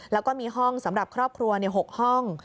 แล้วก็มีห้องสำหรับครอบครัว๖ห้อง